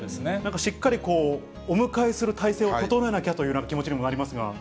しっかりお迎えする態勢を整えなきゃという気持ちにもなりますが。